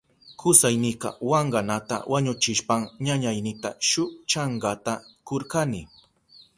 Kusaynika wankanata wañuchishpan ñañaynita shuk chankata kurkani.